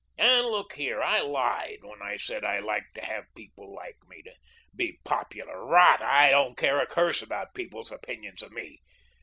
And look here, I lied when I said I liked to have people like me to be popular. Rot! I don't care a curse about people's opinions of me.